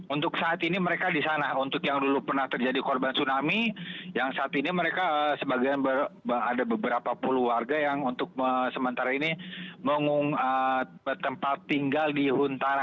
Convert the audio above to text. untuk saat ini mereka di sana untuk yang dulu pernah terjadi korban tsunami yang saat ini mereka sebagian ada beberapa puluh warga yang untuk sementara ini mengung tempat tinggal di huntara